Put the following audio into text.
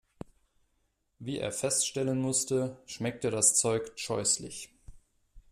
Wie er feststellen musste, schmeckte das Zeug scheußlich.